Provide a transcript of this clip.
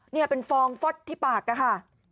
นี่เป็นฟองฟอดที่ปากอะค่ะ